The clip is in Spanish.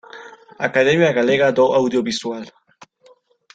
Academia Galega do Audiovisual